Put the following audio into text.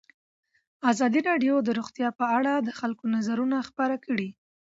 ازادي راډیو د روغتیا په اړه د خلکو نظرونه خپاره کړي.